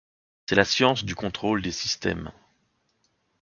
C'est la science du contrôle des systèmes.